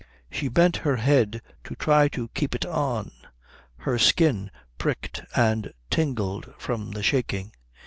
She bent her head to try to keep it on. Her skin pricked and tingled from the shaking.